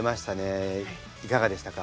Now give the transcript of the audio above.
いかがでしたか？